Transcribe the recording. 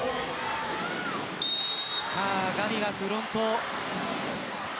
ガビがフロント。